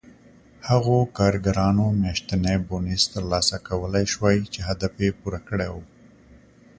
هغو کارګرانو میاشتنی بونېس ترلاسه کولای شوای چې هدف یې پوره کړی و